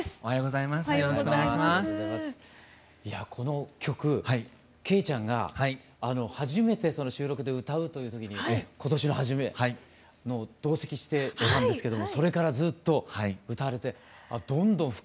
いやこの曲惠ちゃんが初めて収録で歌うという時に今年の初め同席していたんですけどもそれからずっと歌われてどんどん深まって。